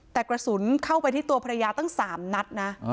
แต่กระสุนเข้าไปที่ตัวภรรยาตั้ง๓นัดนะ